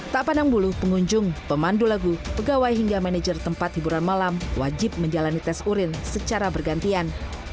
tak pandang bulu pengunjung pemandu lagu pegawai hingga manajer tempat hiburan malam wajib menjalani tes urin secara bergantian